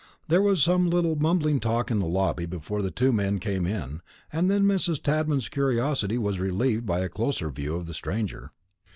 There was some little mumbling talk in the lobby before the two men came in, and then Mrs. Tadman's curiosity was relieved by a closer view of the stranger.